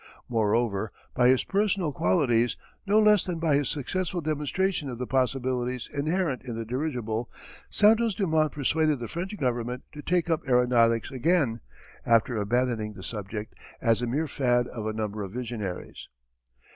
Moreover by his personal qualities, no less than by his successful demonstration of the possibilities inherent in the dirigible, Santos Dumont persuaded the French Government to take up aeronautics again, after abandoning the subject as the mere fad of a number of visionaries.